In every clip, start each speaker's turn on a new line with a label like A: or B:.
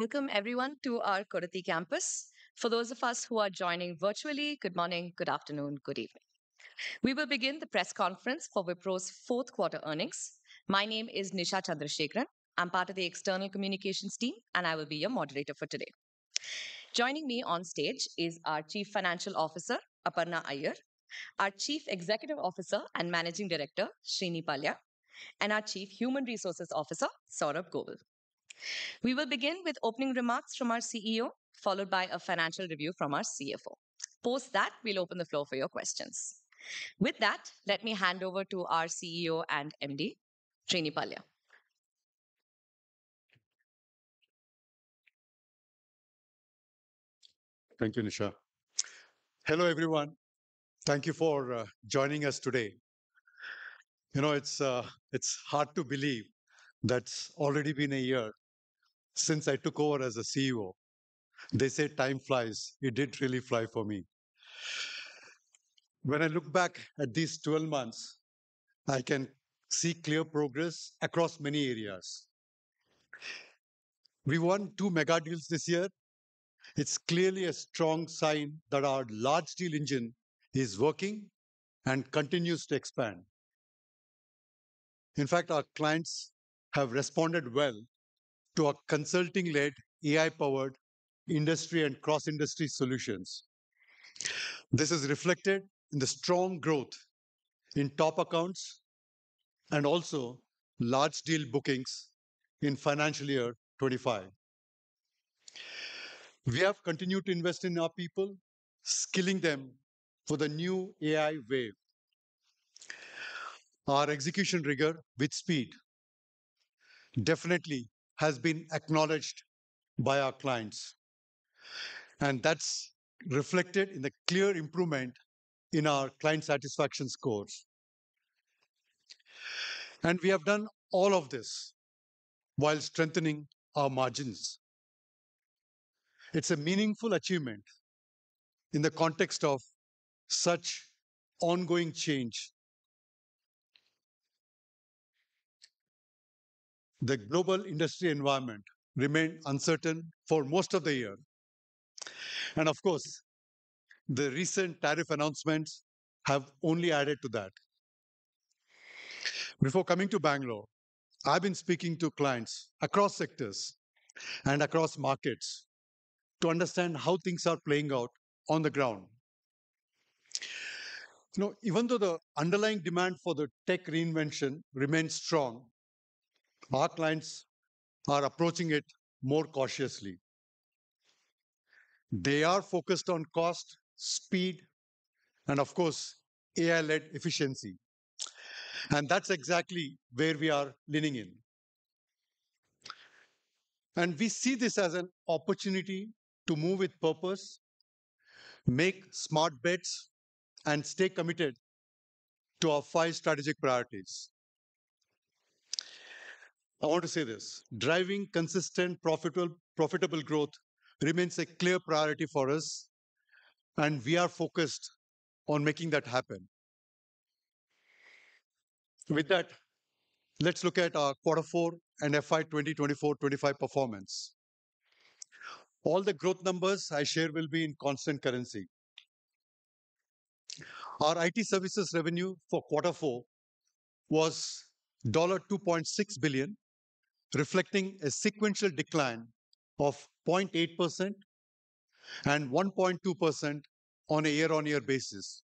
A: Welcome, everyone, to our Kodathi campus. For those of us who are joining virtually, good morning, good afternoon, good evening. We will begin the press conference for Wipro's fourth quarter earnings. My name is Nisha Chandrasekaran. I'm part of the external communications team, and I will be your moderator for today. Joining me on stage is our Chief Financial Officer, Aparna Iyer, our Chief Executive Officer and Managing Director, Srini Pallia, and our Chief Human Resources Officer, Saurabh Govil. We will begin with opening remarks from our CEO, followed by a financial review from our CFO. Post that, we'll open the floor for your questions. With that, let me hand over to our CEO and MD, Srini Pallia.
B: Thank you, Nisha. Hello, everyone. Thank you for joining us today. You know, it's hard to believe that it's already been a year since I took over as CEO. They say time flies. It did really fly for me. When I look back at these 12 months, I can see clear progress across many areas. We won two mega deals this year. It's clearly a strong sign that our large deal engine is working and continues to expand. In fact, our clients have responded well to our consulting-led, AI-powered industry and cross-industry solutions. This is reflected in the strong growth in top accounts and also large deal bookings in financial year 2025. We have continued to invest in our people, skilling them for the new AI wave. Our execution rigor with speed definitely has been acknowledged by our clients, and that is reflected in the clear improvement in our client satisfaction scores. We have done all of this while strengthening our margins. It is a meaningful achievement in the context of such ongoing change. The global industry environment remained uncertain for most of the year, and of course, the recent tariff announcements have only added to that. Before coming to Bangalore, I have been speaking to clients across sectors and across markets to understand how things are playing out on the ground. You know, even though the underlying demand for the tech reinvention remains strong, our clients are approaching it more cautiously. They are focused on cost, speed, and of course, AI-led efficiency. That is exactly where we are leaning in. We see this as an opportunity to move with purpose, make smart bets, and stay committed to our five strategic priorities. I want to say this: driving consistent, profitable growth remains a clear priority for us, and we are focused on making that happen. With that, let's look at our Q4 and FY 2024-2025 performance. All the growth numbers I share will be in constant currency. Our IT services revenue for Q4 was $2.6 billion, reflecting a sequential decline of 0.8% and 1.2% on a year-on-year basis.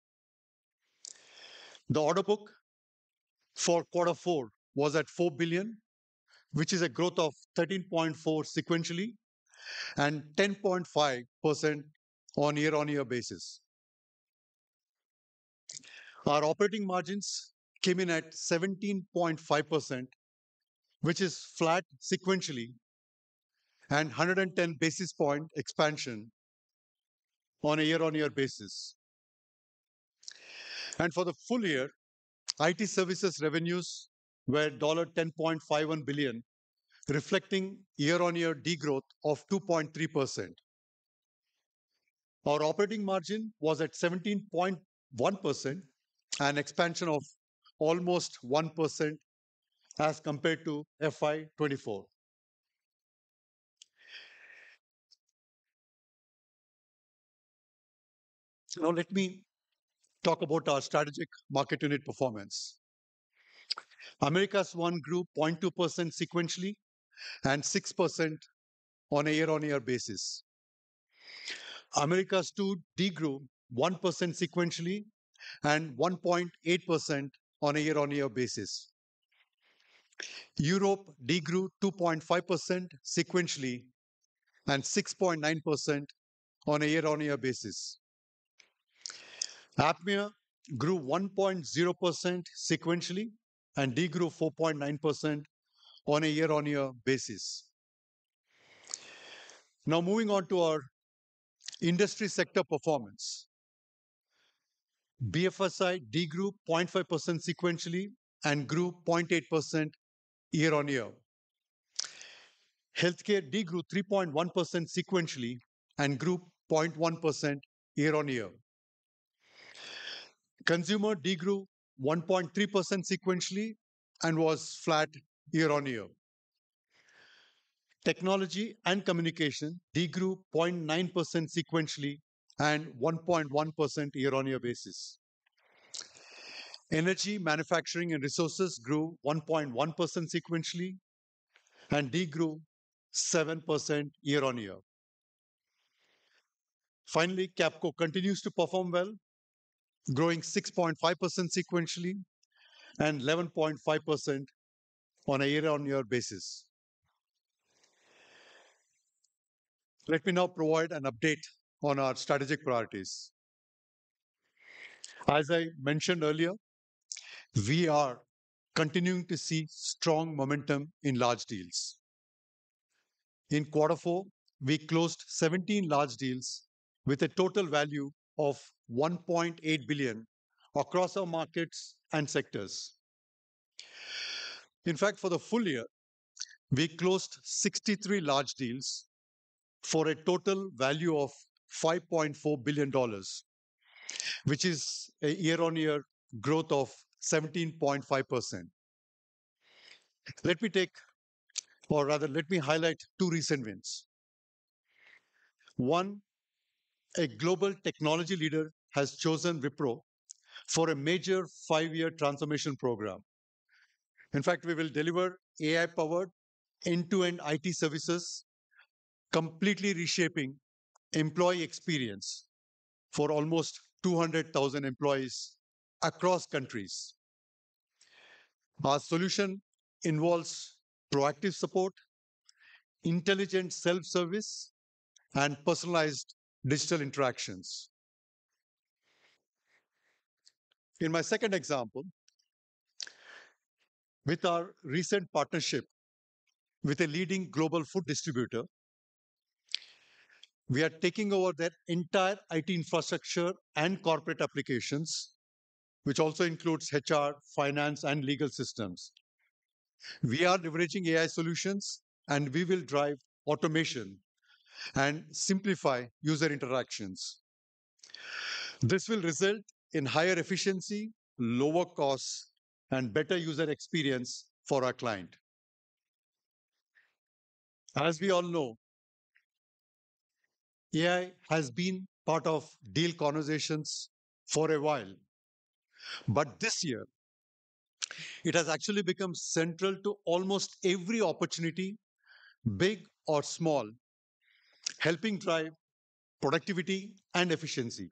B: The order book for Q4 was at $4 billion, which is a growth of 13.4% sequentially and 10.5% on a year-on-year basis. Our operating margins came in at 17.5%, which is flat sequentially and 110 basis points expansion on a year-on-year basis. For the full year, IT services revenues were $10.51 billion, reflecting year-on-year degrowth of 2.3%. Our operating margin was at 17.1%, an expansion of almost 1% as compared to FY 2024. Now, let me talk about our strategic market unit performance. America's one grew 0.2% sequentially and 6% on a year-on-year basis. America's two degrew 1% sequentially and 1.8% on a year-on-year basis. Europe degrew 2.5% sequentially and 6.9% on a year-on-year basis. APMEA grew 1.0% sequentially and degrew 4.9% on a year-on-year basis. Now, moving on to our industry sector performance. BFSI degrew 0.5% sequentially and grew 0.8% year-on-year. Healthcare degrew 3.1% sequentially and grew 0.1% year-on-year. Consumer degrew 1.3% sequentially and was flat year-on-year. Technology and communication degrew 0.9% sequentially and 1.1% year-on-year basis. Energy, manufacturing, and resources grew 1.1% sequentially and degrew 7% yea`r-on-year. Finally, Capco continues to perform well, growing 6.5% sequentially and 11.5% on a year-on-year basis. Let me now provide an update on our strategic priorities. As I mentioned earlier, we are continuing to see strong momentum in large deals. In Q4, we closed 17 large deals with a total value of $1.8 billion across our markets and sectors. In fact, for the full year, we closed 63 large deals for a total value of $5.4 billion, which is a year-on-year growth of 17.5%. Let me take, or rather, let me highlight two recent wins. One, a global technology leader has chosen Wipro for a major five-year transformation program. In fact, we will deliver AI-powered end-to-end IT services, completely reshaping employee experience for almost 200,000 employees across countries. Our solution involves proactive support, intelligent self-service, and personalized digital interactions. In my second example, with our recent partnership with a leading global food distributor, we are taking over their entire IT infrastructure and corporate applications, which also includes HR, finance, and legal systems. We are leveraging AI solutions, and we will drive automation and simplify user interactions. This will result in higher efficiency, lower costs, and better user experience for our client. As we all know, AI has been part of deal conversations for a while, but this year, it has actually become central to almost every opportunity, big or small, helping drive productivity and efficiency.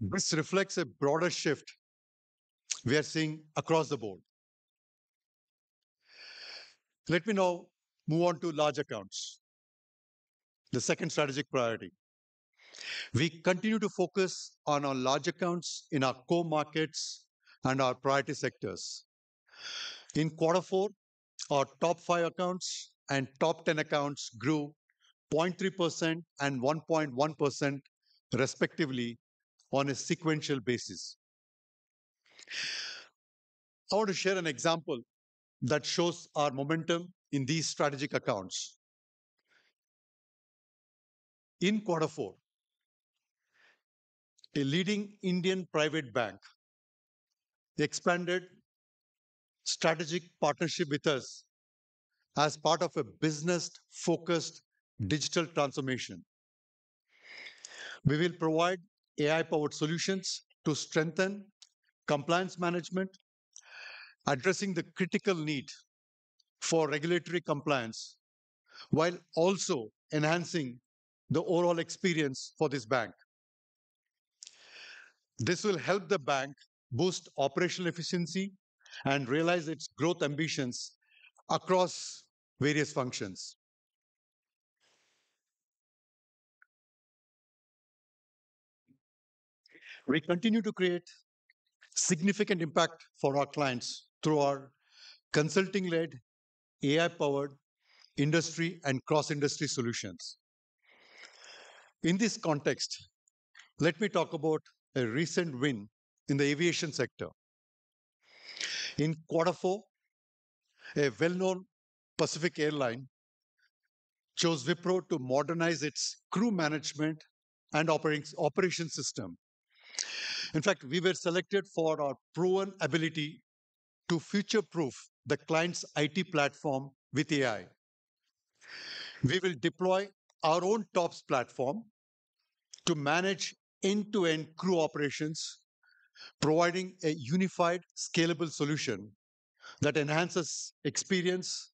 B: This reflects a broader shift we are seeing across the board. Let me now move on to large accounts, the second strategic priority. We continue to focus on our large accounts in our core markets and our priority sectors. In Q4, our top five accounts and top ten accounts grew 0.3% and 1.1%, respectively, on a sequential basis. I want to share an example that shows our momentum in these strategic accounts. In Q4, a leading Indian private bank expanded strategic partnership with us as part of a business-focused digital transformation. We will provide AI-powered solutions to strengthen compliance management, addressing the critical need for regulatory compliance while also enhancing the overall experience for this bank. This will help the bank boost operational efficiency and realize its growth ambitions across various functions. We continue to create significant impact for our clients through our consulting-led, AI-powered industry and cross-industry solutions. In this context, let me talk about a recent win in the aviation sector. In Q4, a well-known Pacific airline chose Wipro to modernize its crew management and operations system. In fact, we were selected for our proven ability to future-proof the client's IT platform with AI. We will deploy our own TOPS platform to manage end-to-end crew operations, providing a unified, scalable solution that enhances experience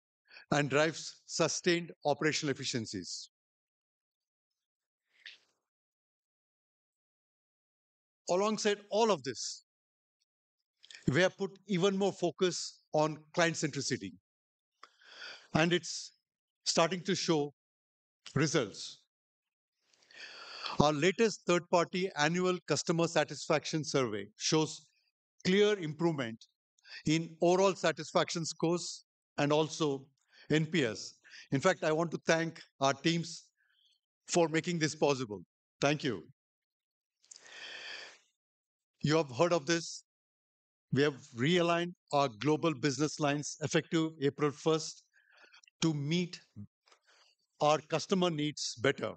B: and drives sustained operational efficiencies. Alongside all of this, we have put even more focus on client centricity, and it's starting to show results. Our latest third-party annual customer satisfaction survey shows clear improvement in overall satisfaction scores and also NPS. In fact, I want to thank our teams for making this possible. Thank you. You have heard of this. We have realigned our global business lines effective April 1 to meet our customer needs better.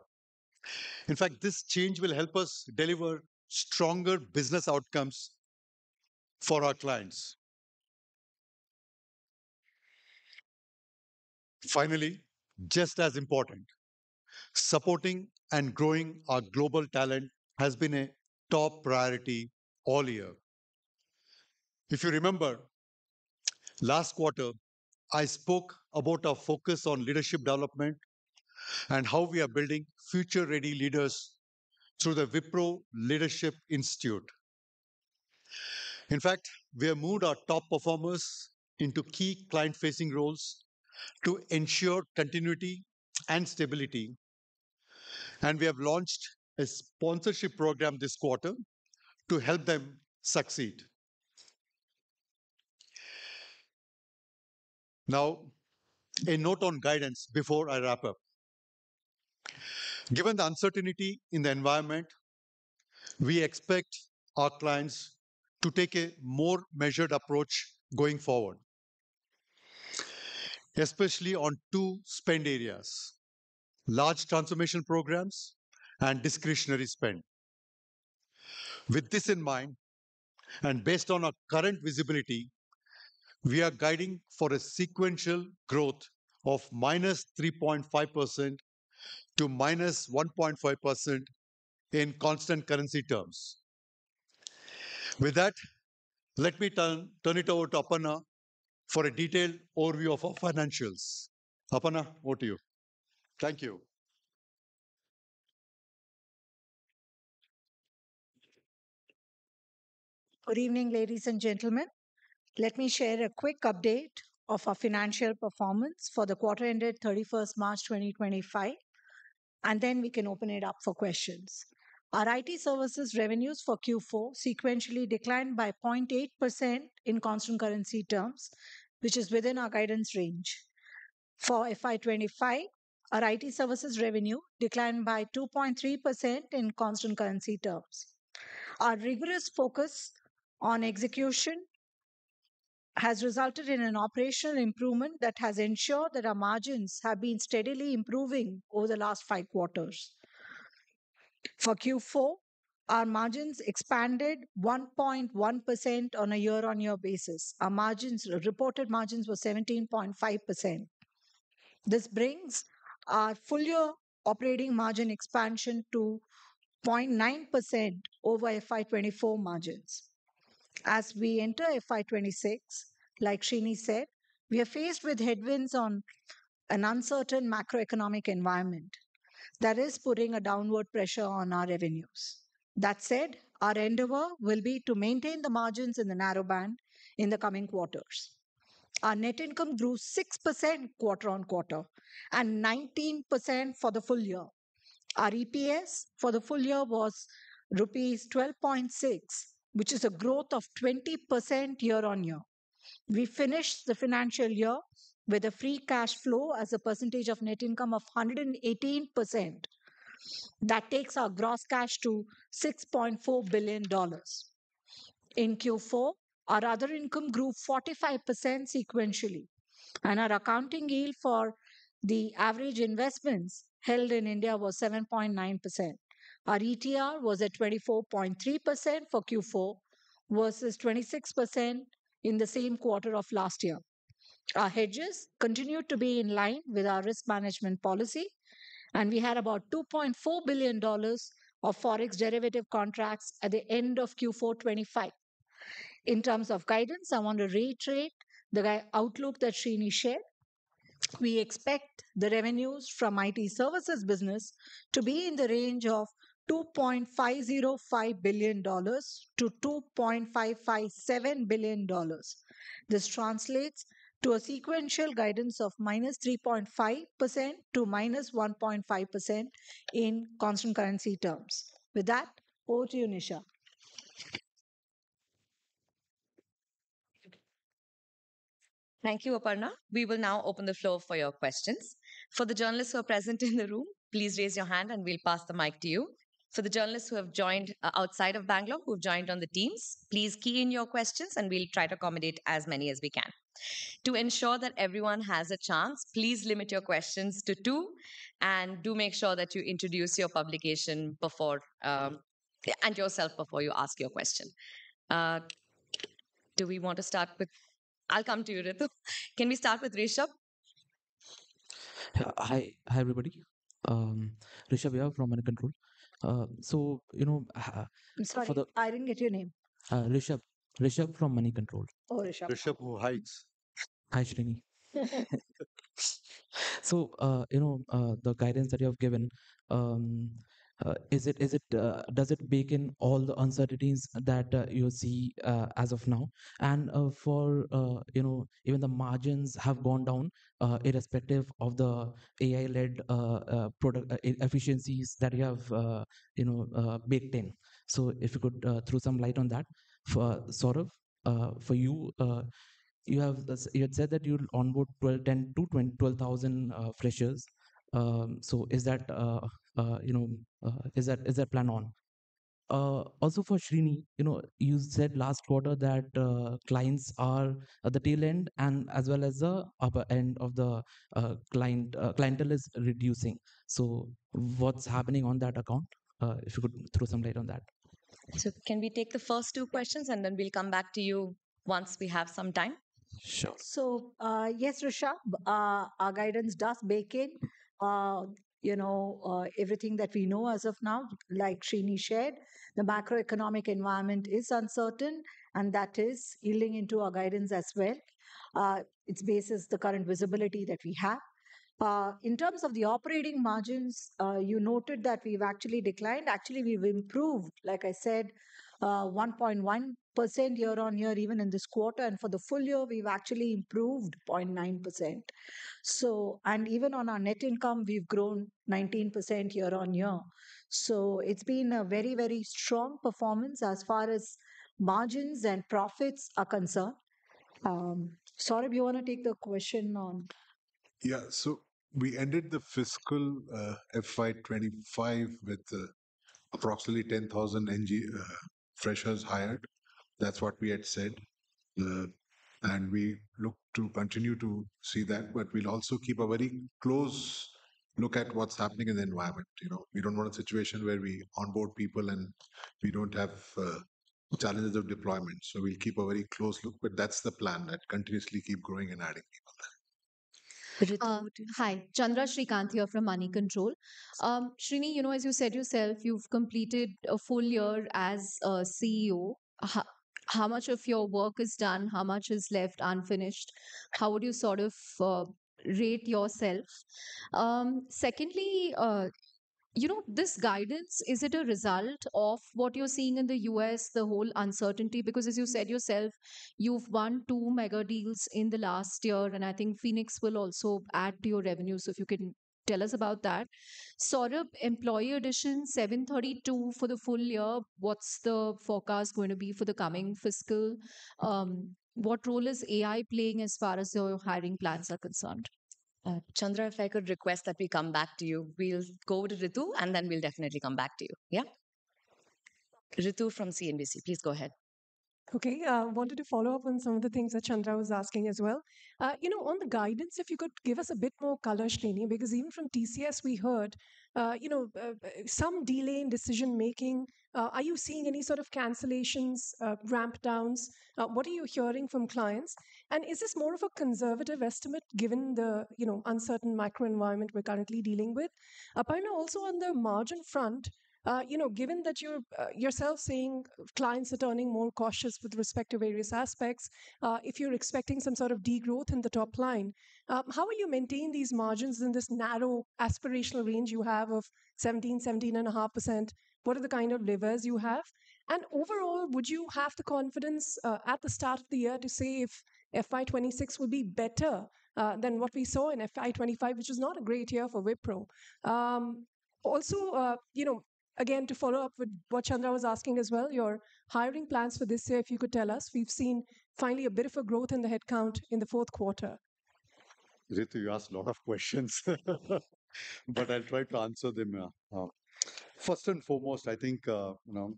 B: In fact, this change will help us deliver stronger business outcomes for our clients. Finally, just as important, supporting and growing our global talent has been a top priority all year. If you remember, last quarter, I spoke about our focus on leadership development and how we are building future-ready leaders through the Wipro Leadership Institute. In fact, we have moved our top performers into key client-facing roles to ensure continuity and stability, and we have launched a sponsorship program this quarter to help them succeed. Now, a note on guidance before I wrap up. Given the uncertainty in the environment, we expect our clients to take a more measured approach going forward, especially on two spend areas: large transformation programs and discretionary spend. With this in mind and based on our current visibility, we are guiding for a sequential growth of -3.5% to -1.5% in constant currency terms. With that, let me turn it over to Aparna for a detailed overview of our financials. Aparna, over to you. Thank you.
C: Good evening, ladies and gentlemen. Let me share a quick update of our financial performance for the quarter ended 31st March 2025, and then we can open it up for questions. Our IT services revenues for Q4 sequentially declined by 0.8% in constant currency terms, which is within our guidance range. For FY 2025, our IT services revenue declined by 2.3% in constant currency terms. Our rigorous focus on execution has resulted in an operational improvement that has ensured that our margins have been steadily improving over the last five quarters. For Q4, our margins expanded 1.1% on a year-on-year basis. Our reported margins were 17.5%. This brings our full-year operating margin expansion to 0.9% over FY 2024 margins. As we enter FY 2026, like Srini said, we are faced with headwinds on an uncertain macroeconomic environment that is putting a downward pressure on our revenues. That said, our endeavor will be to maintain the margins in the narrow band in the coming quarters. Our net income grew 6% quarter on quarter and 19% for the full year. Our EPS for the full year was rupees 12.6, which is a growth of 20% year-on-year. We finished the financial year with a free cash flow as a percentage of net income of 118%. That takes our gross cash to $6.4 billion. In Q4, our other income grew 45% sequentially, and our accounting yield for the average investments held in India was 7.9%. Our ETR was at 24.3% for Q4 versus 26% in the same quarter of last year. Our hedges continued to be in line with our risk management policy, and we had about $2.4 billion of forex derivative contracts at the end of Q4 2025. In terms of guidance, I want to reiterate the outlook that Srini shared. We expect the revenues from the IT services business to be in the range of $2.505 billion-$2.557 billion. This translates to a sequential guidance of minus 3.5% to minus 1.5% in constant currency terms. With that, over to you, Nisha.
A: Thank you, Aparna. We will now open the floor for your questions. For the journalists who are present in the room, please raise your hand, and we'll pass the mic to you. For the journalists who have joined outside of Bangalore, who have joined on the teams, please key in your questions, and we'll try to accommodate as many as we can. To ensure that everyone has a chance, please limit your questions to two, and do make sure that you introduce your publication before and yourself before you ask your question. Do we want to start with? I'll come to you, Ritu. Can we start with Rishabh?
D: Hi, everybody. Rishabh here from Moneycontrol. You know.
C: I'm sorry, I didn't get your name.
D: Rishabh. Rishabh from Moneycontrol.
C: Oh, Rishabh.
B: Rishabh Mohits.
D: Hi, Srini. The guidance that you have given, does it bake in all the uncertainties that you see as of now? For, you know, even the margins have gone down irrespective of the AI-led efficiencies that you have, you know, baked in. If you could throw some light on that. Saurabh, for you, you had said that you'd onboard 12,000 freshers. Is that, you know, is that plan on? Also, for Srini, you said last quarter that clients are at the tail end, and as well as the upper end of the clientele is reducing. What is happening on that account? If you could throw some light on that.
A: Can we take the first two questions, and then we will come back to you once we have some time?
D: Sure.
C: Yes, Rishad, our guidance does bake in, you know, everything that we know as of now, like Srini shared. The macroeconomic environment is uncertain, and that is yielding into our guidance as well. It's based on the current visibility that we have. In terms of the operating margins, you noted that we've actually declined. Actually, we've improved, like I said, 1.1% year-on-year even in this quarter, and for the full year, we've actually improved 0.9%. Even on our net income, we've grown 19% year-on-year. It's been a very, very strong performance as far as margins and profits are concerned. Saurabh, you want to take the question on?
E: Yeah, we ended the fiscal year 2025 with approximately 10,000 freshers hired. That's what we had said. We look to continue to see that, but we will also keep a very close look at what is happening in the environment. You know, we do not want a situation where we onboard people and we do not have challenges of deployment. We will keep a very close look, but that is the plan, to continuously keep growing and adding people there.
F: Hi, Chandra Srikanth here from Moneycontrol. Srini, you know, as you said yourself, you have completed a full year as CEO. How much of your work is done? How much is left unfinished? How would you sort of rate yourself? Secondly, you know, this guidance, is it a result of what you are seeing in the U.S., the whole uncertainty? Because, as you said yourself, you have won two mega deals in the last year, and I think Phoenix will also add to your revenue. If you can tell us about that. Saurabh, employee addition, 732 for the full year. What's the forecast going to be for the coming fiscal? What role is AI playing as far as your hiring plans are concerned?
A: Chandra, if I could request that we come back to you, we'll go to Ritu, and then we'll definitely come back to you. Yeah? Ritu from CNBC, please go ahead.
G: I wanted to follow up on some of the things that Chandra was asking as well. You know, on the guidance, if you could give us a bit more color, Srini, because even from TCS, we heard, you know, some delay in decision-making. Are you seeing any sort of cancellations, ramp-downs? What are you hearing from clients? Is this more of a conservative estimate given the, you know, uncertain microenvironment we're currently dealing with? Aparna, also on the margin front, you know, given that you're yourself saying clients are turning more cautious with respect to various aspects, if you're expecting some sort of degrowth in the top line, how will you maintain these margins in this narrow aspirational range you have of 17%-17.5%? What are the kind of levers you have? Overall, would you have the confidence at the start of the year to say if FY 2026 will be better than what we saw in FY 2025, which is not a great year for Wipro? Also, you know, again, to follow up with what Chandra was asking as well, your hiring plans for this year, if you could tell us, we've seen finally a bit of a growth in the headcount in the fourth quarter.
B: Ritu, you asked a lot of questions, but I'll try to answer them. First and foremost, I think, you know,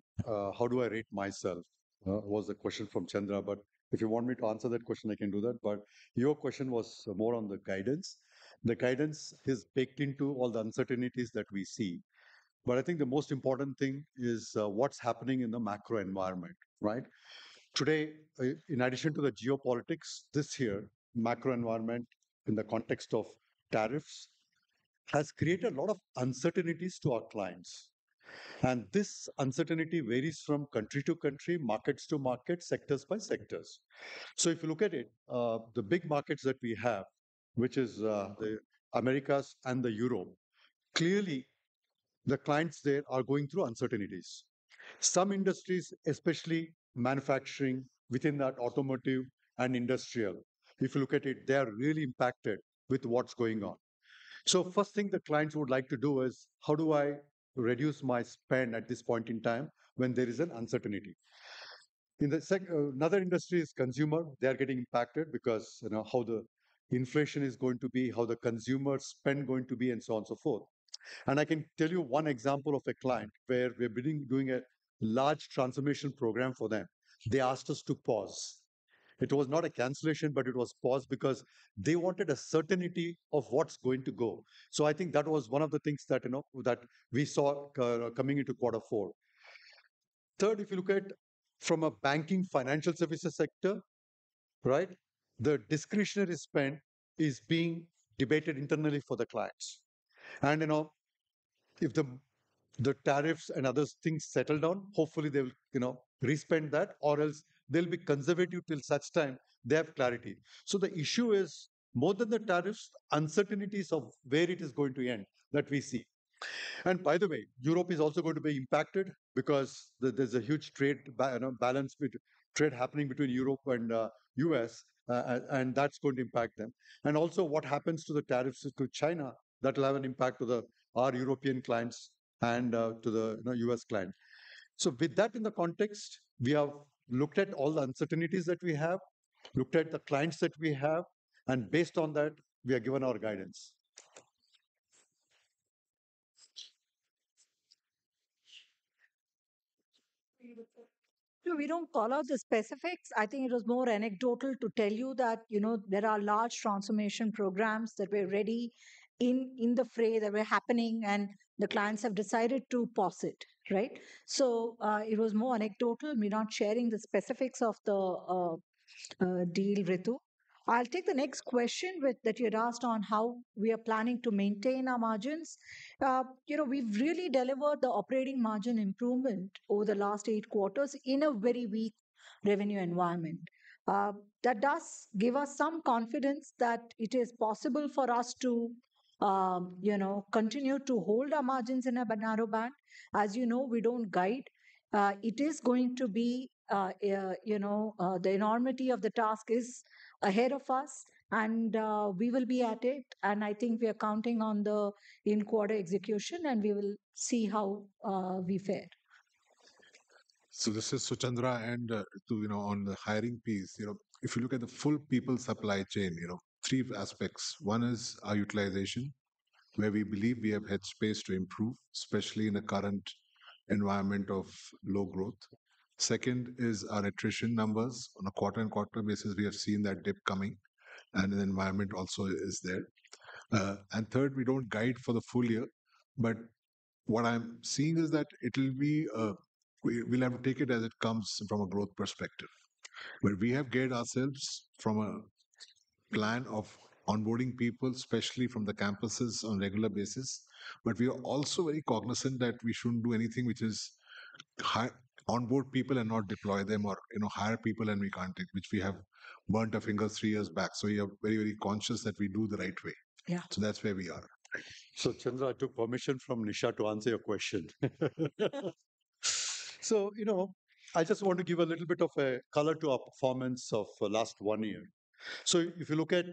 B: how do I rate myself was the question from Chandra, but if you want me to answer that question, I can do that. Your question was more on the guidance. The guidance is baked into all the uncertainties that we see. I think the most important thing is what's happening in the macro environment, right? Today, in addition to the geopolitics, this year, macro environment in the context of tariffs has created a lot of uncertainties to our clients. This uncertainty varies from country to country, markets to markets, sectors by sectors. If you look at it, the big markets that we have, which is the Americas and Europe, clearly the clients there are going through uncertainties. Some industries, especially manufacturing within that automotive and industrial, if you look at it, they are really impacted with what's going on. First thing the clients would like to do is, how do I reduce my spend at this point in time when there is an uncertainty? Another industry is consumer. They are getting impacted because of how the inflation is going to be, how the consumer spend is going to be, and so on and so forth. I can tell you one example of a client where we're doing a large transformation program for them. They asked us to pause. It was not a cancellation, but it was paused because they wanted a certainty of what's going to go. I think that was one of the things that, you know, that we saw coming into quarter four. Third, if you look at from a banking financial services sector, right, the discretionary spend is being debated internally for the clients. You know, if the tariffs and other things settle down, hopefully they will, you know, respend that, or else they'll be conservative till such time they have clarity. The issue is more than the tariffs, uncertainties of where it is going to end that we see. By the way, Europe is also going to be impacted because there is a huge trade balance happening between Europe and the U.S., and that is going to impact them. Also, what happens to the tariffs to China, that will have an impact on our European clients and to the U.S. client. With that in the context, we have looked at all the uncertainties that we have, looked at the clients that we have, and based on that, we are given our guidance.
C: We do not call out the specifics. I think it was more anecdotal to tell you that, you know, there are large transformation programs that were ready in the fray that were happening, and the clients have decided to pause it, right? It was more anecdotal. We're not sharing the specifics of the deal, Ritu. I'll take the next question that you had asked on how we are planning to maintain our margins. You know, we've really delivered the operating margin improvement over the last eight quarters in a very weak revenue environment. That does give us some confidence that it is possible for us to, you know, continue to hold our margins in a narrow band. As you know, we don't guide. It is going to be, you know, the enormity of the task is ahead of us, and we will be at it. I think we are counting on the in-quarter execution, and we will see how we fare.
E: This is [to Chandra] and Ritu, you know, on the hiring piece. You know, if you look at the full people supply chain, you know, three aspects. One is our utilization, where we believe we have had space to improve, especially in the current environment of low growth. Second is our attrition numbers. On a quarter-on-quarter basis, we have seen that dip coming, and the environment also is there. Third, we do not guide for the full year, but what I am seeing is that it will be, we will have to take it as it comes from a growth perspective. We have guided ourselves from a plan of onboarding people, especially from the campuses on a regular basis. We are also very cognizant that we should not do anything which is onboard people and not deploy them or, you know, hire people and we cannot take, which we have burnt our fingers three years back. We are very, very conscious that we do the right way.
A: Yeah.
B: That is where we are. Chandra, I took permission from Nisha to answer your question. I just want to give a little bit of a color to our performance of the last one year. If you look at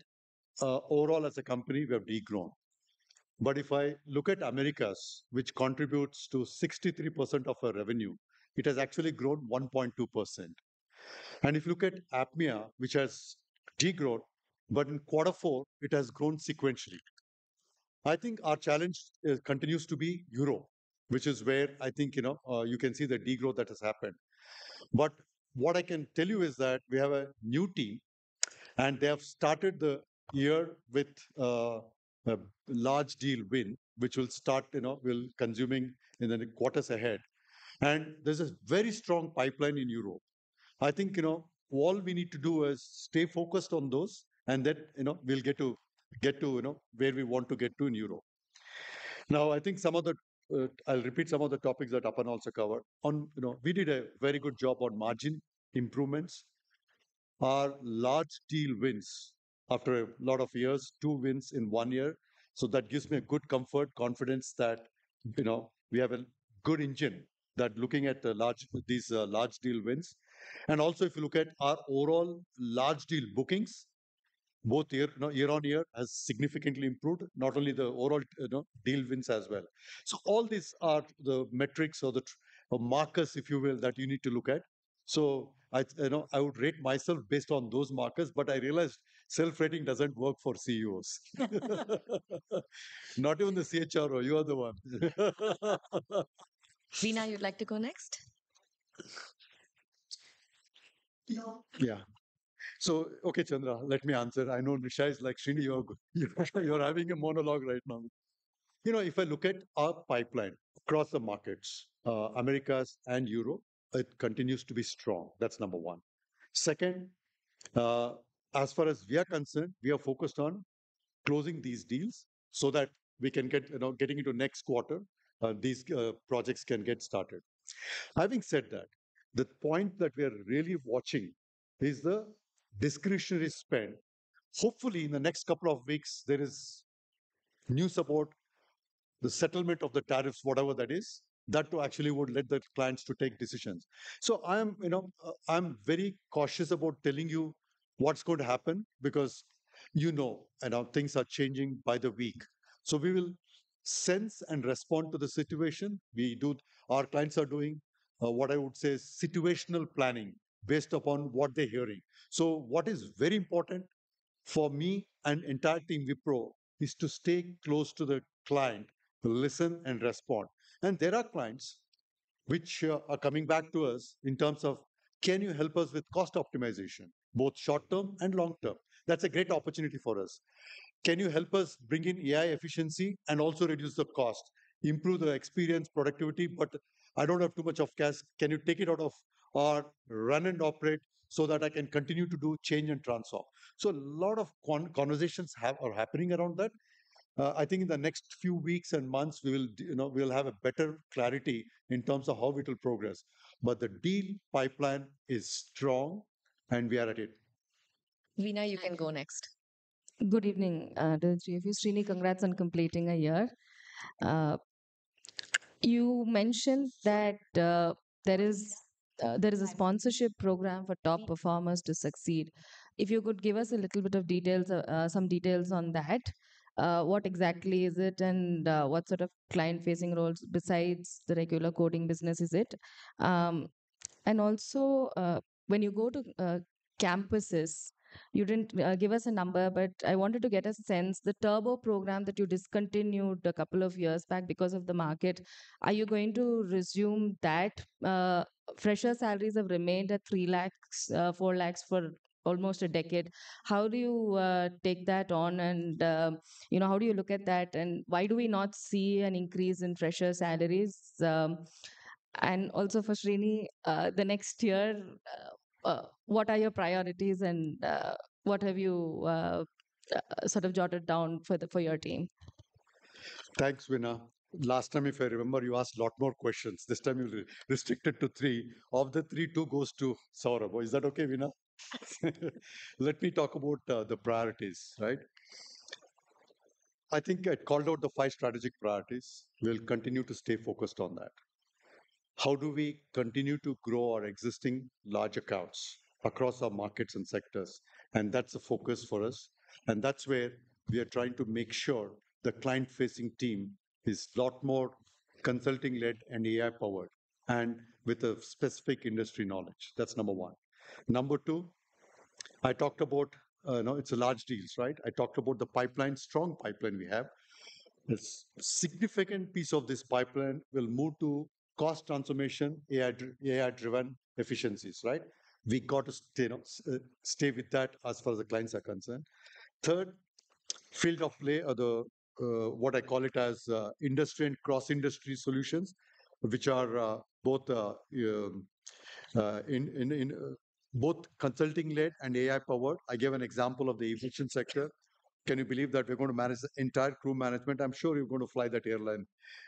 B: overall as a company, we have degrown. If I look at Americas, which contributes to 63% of our revenue, it has actually grown 1.2%. If you look at APMEA, which has degrown, in quarter four, it has grown sequentially. I think our challenge continues to be Europe, which is where I think, you know, you can see the degrowth that has happened. What I can tell you is that we have a new team, and they have started the year with a large deal win, which will start, you know, consuming in the quarters ahead. There is a very strong pipeline in Europe. I think, you know, all we need to do is stay focused on those, and then, you know, we'll get to, get to, you know, where we want to get to in Europe. Now, I think some of the, I'll repeat some of the topics that Aparna also covered. You know, we did a very good job on margin improvements, our large deal wins after a lot of years, two wins in one year. That gives me a good comfort, confidence that, you know, we have a good engine that looking at the large, these large deal wins. Also, if you look at our overall large deal bookings, both year, you know, year on year has significantly improved, not only the overall, you know, deal wins as well. All these are the metrics or the markers, if you will, that you need to look at. I, you know, I would rate myself based on those markers, but I realized self-rating does not work for CEOs. Not even the CHRO. You are the one.
A: [Veena], you would like to go next?
B: Yeah. Okay, Chandra, let me answer. I know Nisha is like, Srini, you are having a monologue right now. You know, if I look at our pipeline across the markets, Americas and Europe, it continues to be strong. That is number one. Second, as far as we are concerned, we are focused on closing these deals so that we can get, you know, getting into next quarter, these projects can get started. Having said that, the point that we are really watching is the discretionary spend. Hopefully, in the next couple of weeks, there is new support, the settlement of the tariffs, whatever that is, that actually would let the clients to take decisions. You know, I'm very cautious about telling you what's going to happen because you know, things are changing by the week. We will sense and respond to the situation. We do, our clients are doing what I would say is situational planning based upon what they're hearing. What is very important for me and the entire team of Wipro is to stay close to the client, listen and respond. There are clients which are coming back to us in terms of, can you help us with cost optimization, both short term and long term? That's a great opportunity for us. Can you help us bring in AI efficiency and also reduce the cost, improve the experience, productivity, but I don't have too much of cash. Can you take it out of our run and operate so that I can continue to do change and transform? A lot of conversations are happening around that. I think in the next few weeks and months, we will, you know, we'll have a better clarity in terms of how we will progress. The deal pipeline is strong, and we are at it.
A: Veena, you can go next.
H: Good evening, Ritu. Srini, congrats on completing a year. You mentioned that there is a sponsorship program for top performers to succeed. If you could give us a little bit of details, some details on that, what exactly is it and what sort of client-facing roles besides the regular coding business is it? Also, when you go to campuses, you did not give us a number, but I wanted to get a sense. The Turbo program that you discontinued a couple of years back because of the market, are you going to resume that? Fresher salaries have remained at 300,000-400,000 for almost a decade. How do you take that on? You know, how do you look at that? Why do we not see an increase in fresher salaries? Also, for Srini, the next year, what are your priorities and what have you sort of jotted down for your team?
B: Thanks, Veena. Last time, if I remember, you asked a lot more questions. This time, you restricted to three. Of the three, two goes to Saurabh. Is that okay, Veena? Let me talk about the priorities, right? I think I called out the five strategic priorities. We'll continue to stay focused on that. How do we continue to grow our existing large accounts across our markets and sectors? That is a focus for us. That is where we are trying to make sure the client-facing team is a lot more consulting-led and AI-powered and with a specific industry knowledge. That is number one. Number two, I talked about, you know, it is a large deals, right? I talked about the pipeline, strong pipeline we have. A significant piece of this pipeline will move to cost transformation, AI-driven efficiencies, right? We got to stay with that as far as the clients are concerned. Third, field of play, what I call it as industry and cross-industry solutions, which are both consulting-led and AI-powered. I gave an example of the aviation sector. Can you believe that we're going to manage the entire crew management? I'm sure you're going to fly that airline.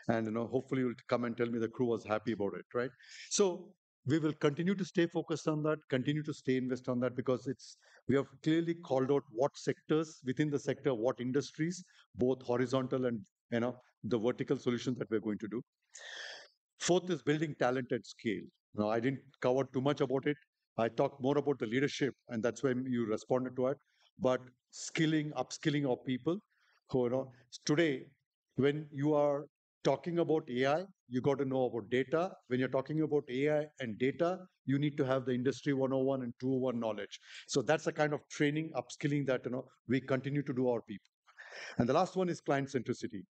B: You know, hopefully you'll come and tell me the crew was happy about it, right? We will continue to stay focused on that, continue to stay invested on that because we have clearly called out what sectors within the sector, what industries, both horizontal and, you know, the vertical solutions that we're going to do. Fourth is building talent at scale. Now, I didn't cover too much about it. I talked more about the leadership, and that's where you responded to it. But skilling, upskilling our people who are on. Today, when you are talking about AI, you got to know about data. When you're talking about AI and data, you need to have the industry 101 and 201 knowledge. That's a kind of training, upskilling that, you know, we continue to do our people. The last one is client centricity,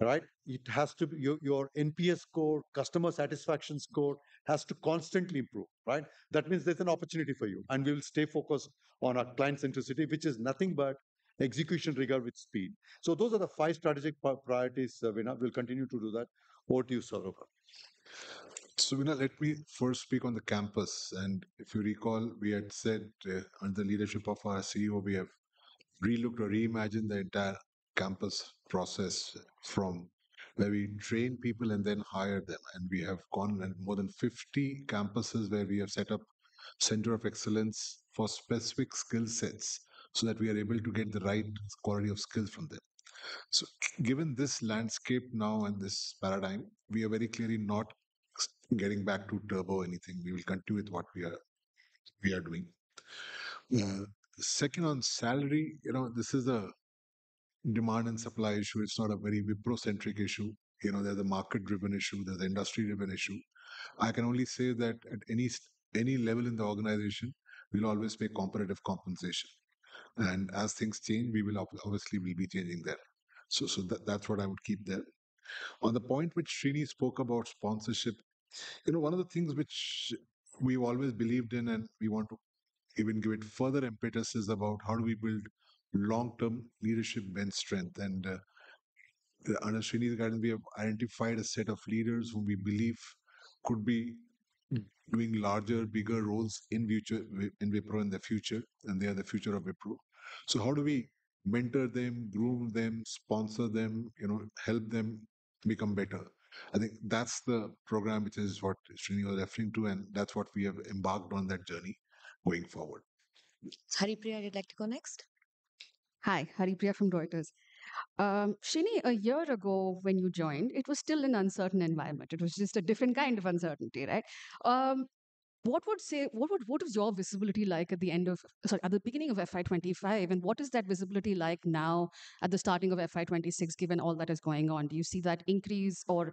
B: right? Your NPS score, customer satisfaction score has to constantly improve, right? That means there's an opportunity for you. We will stay focused on our client centricity, which is nothing but execution rigor with speed. Those are the five strategic priorities. We'll continue to do that. Over to you, Saurabh.
E: Veena, let me first speak on the campus. If you recall, we had said under the leadership of our CEO, we have relooked or reimagined the entire campus process from where we train people and then hire them. We have gone on more than 50 campuses where we have set up a center of excellence for specific skill sets so that we are able to get the right quality of skill from them. Given this landscape now and this paradigm, we are very clearly not getting back to Turbo or anything. We will continue with what we are doing. Second, on salary, you know, this is a demand and supply issue. It's not a very Wipro-centric issue. You know, there's a market-driven issue. There's an industry-driven issue. I can only say that at any level in the organization, we'll always pay comparative compensation. As things change, we will obviously be changing that. That's what I would keep there. On the point which Srini spoke about sponsorship, you know, one of the things which we've always believed in and we want to even give it further impetus is about how do we build long-term leadership and strength. Under Srini's guidance, we have identified a set of leaders whom we believe could be doing larger, bigger roles in Wipro in the future. They are the future of Wipro. How do we mentor them, groom them, sponsor them, you know, help them become better? I think that's the program which is what Srini was referring to. That is what we have embarked on, that journey going forward.
A: Haripriya, you'd like to go next?
I: Hi, Haripriya from Reuters. Srini, a year ago when you joined, it was still an uncertain environment. It was just a different kind of uncertainty, right? What would you say, what was your visibility like at the end of, sorry, at the beginning of FY25? What is that visibility like now at the starting of FY26, given all that is going on? Do you see that increase or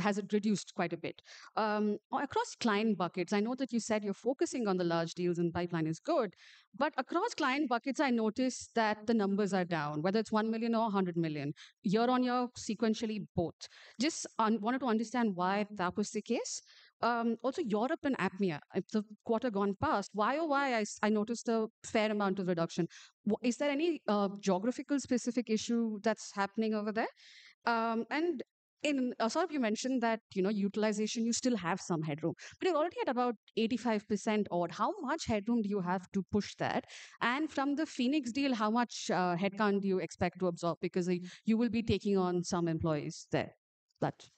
I: has it reduced quite a bit? Across client buckets, I know that you said you're focusing on the large deals and pipeline is good. Across client buckets, I noticed that the numbers are down, whether it's $1 million or $100 million. You're down sequentially both. I just wanted to understand why that was the case. Also, Europe and APMEA, the quarter gone past, year over year, I noticed a fair amount of reduction. Is there any geographical specific issue that's happening over there? In Saurabh, you mentioned that, you know, utilization, you still have some headroom. You're already at about 85% odd. How much headroom do you have to push that? And from the Phoenix deal, how much headcount do you expect to absorb? Because you will be taking on some employees there. That is.